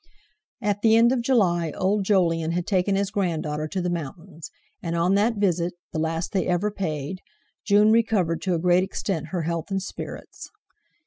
At the end of July old Jolyon had taken his grand daughter to the mountains; and on that visit (the last they ever paid) June recovered to a great extent her health and spirits.